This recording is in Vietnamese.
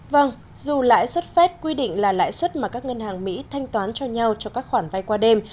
vâng dù lãi suất phép quy định là lãi suất mà các ngân hàng mỹ thanh toán cho nhau cho các khoản vay qua đêm